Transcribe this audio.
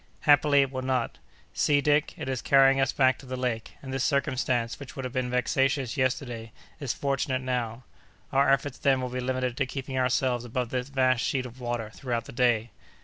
"Happily, it will not. See, Dick! it is carrying us back to the lake; and this circumstance, which would have been vexatious yesterday, is fortunate now. Our efforts, then, will be limited to keeping ourselves above that vast sheet of water throughout the day.